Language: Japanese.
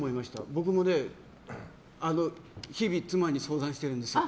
僕も日々妻に相談しているんですよ。